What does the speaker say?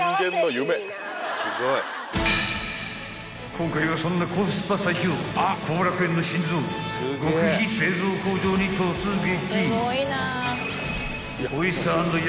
［今回はそんなコスパ最強幸楽苑の心臓部極秘製造工場に突撃］